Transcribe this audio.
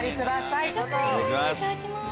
いただきます。